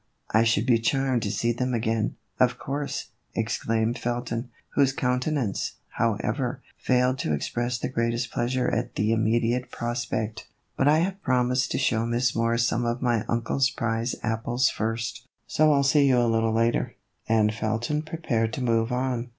"I should be charmed to see them again, of course," exclaimed Felton, whose countenance, how ever, failed to express the greatest pleasure at the immediate prospect ;" but I have promised to show Miss Moore some of my uncle's prize apples first, so I '11 see you a little later," and Felton pre pared to move on.